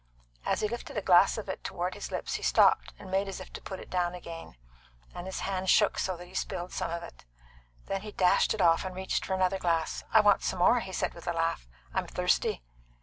As he lifted a glass of it toward his lips he stopped and made as if to put it down again, and his hand shook so that he spilled some of it. Then he dashed it off, and reached for another glass. "I want some more," he said, with a laugh; "I'm thirsty."